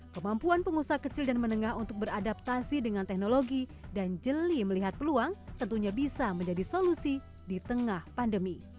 kemampuan pengusaha kecil dan menengah untuk beradaptasi dengan teknologi dan jeli melihat peluang tentunya bisa menjadi solusi di tengah pandemi